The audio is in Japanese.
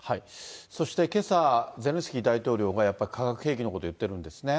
そしてけさ、ゼレンスキー大統領がやっぱり化学兵器のこと言ってるんですね。